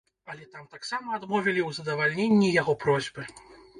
Але там таксама адмовілі ў задавальненні яго просьбы.